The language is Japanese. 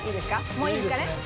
もういいですかね？